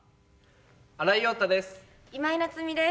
新井庸太です。